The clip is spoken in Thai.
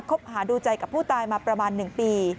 คบหาดูใจกับผู้ตายมาประมาณ๑ปี